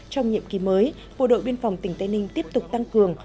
trong nhiệm kỳ mới bộ đội biên phòng tỉnh tây ninh tiếp tục tăng cường